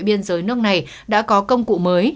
biên giới nước này đã có công cụ mới